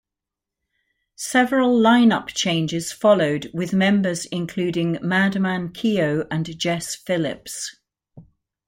Several line-up changes followed, with members including Madman Keyo and Jess Phillips.